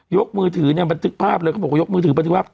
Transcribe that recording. ยกมือถือบันทึกภาพเลยยกมือถือบันทึกภาพ